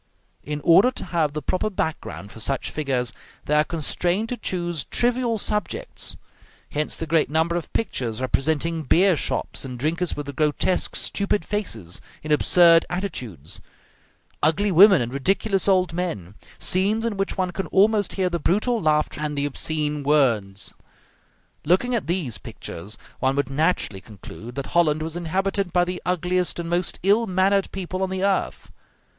In order to have the proper background for such figures, they are constrained to choose trivial subjects: hence the great number of pictures representing beer shops, and drinkers with grotesque, stupid faces, in absurd attitudes; ugly women and ridiculous old men; scenes in which one can almost hear the brutal laughter and the obscene words. Looking at these pictures, one would naturally conclude that Holland was inhabited by the ugliest and most ill mannered people on the earth.